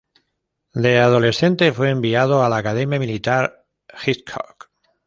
De adolescente fue enviado a la Academia Militar Hitchcock.